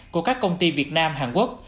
của các công ty việt nam hàn quốc